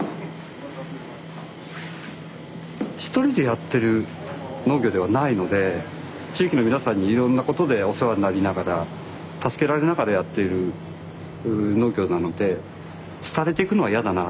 一人でやってる農業ではないので地域の皆さんにいろんなことでお世話になりながら助けられながらやっている農業なので廃れていくのは嫌だな。